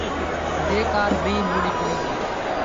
دې کار بیې لوړې کړي دي.